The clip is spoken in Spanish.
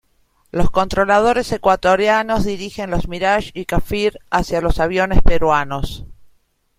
Los controladores ecuatorianos dirigen los Mirage y Kfir hacia los aviones peruanos.